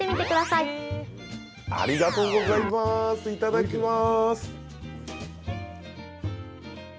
いただきます。